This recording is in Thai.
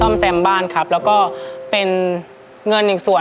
มีบาง